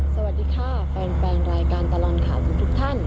สวัสดีค่ะแฟนรายการตลอดข่าวทุกท่าน